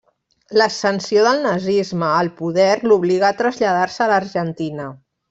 L'ascensió del nazisme al poder l'obligà a traslladar-se a l'Argentina.